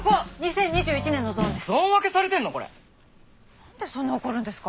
なんでそんな怒るんですか。